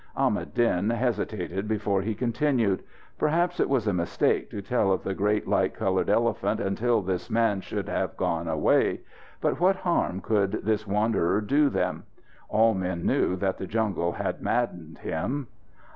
Ahmad Din hesitated before he continued. Perhaps it was a mistake to tell of the great, light coloured elephant until this man should have gone away. But what harm could this wanderer do them? All men knew that the jungle had maddened him.